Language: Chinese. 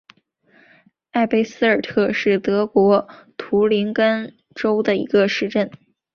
埃贝尔斯特是德国图林根州的一个市镇。